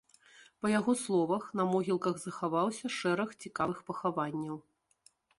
Па яго словах, на могілках захаваўся шэраг цікавых пахаванняў.